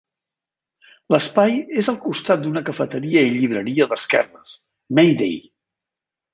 L'espai és al costat d'una cafeteria i llibreria d'esquerres, May Day.